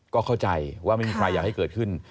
ก็เข้าใจว่าไม่มีใครอยากให้เกิดขึ้น